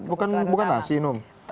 beras bukan nasi hanum